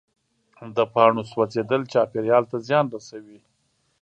د پاڼو سوځېدل چاپېریال ته زیان رسوي.